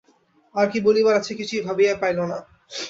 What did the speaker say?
আর কী বলিবার আছে কিছুই ভাবিয়া পাইল না।